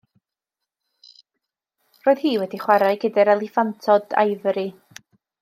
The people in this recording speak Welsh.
Roedd hi wedi chwarae gyda'r eliffantod ifori.